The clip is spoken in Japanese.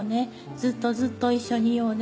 「ずっとずっと一緒にいようね」